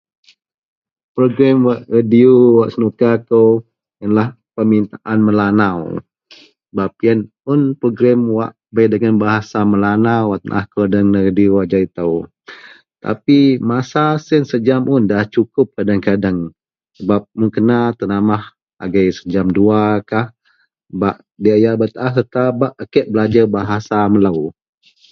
Program wak radio wak senuka kou iyenlah permintaan melanau sebab iyen un program wak bei dagen bahasa melanau wak tenaah kou dagen radio ajau ito. Tapi masa siyen sejam un nda sukup kadang-kadang Sebab mun kena tenamah agei sejam duwa kah bak diyak yaw taahkah serta bak a kiek belajar bahasa melo.